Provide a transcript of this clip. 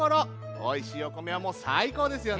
おいしいお米はさいこうですよね。